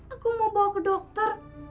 aku mau bawa ke dokter